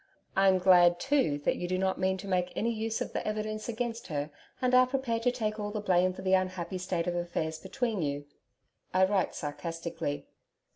I'm glad too, that you do not mean to make any use of the evidence against her and are prepared to take all the blame for the unhappy state of affairs between you! I write sarcastically.